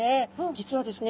実はですね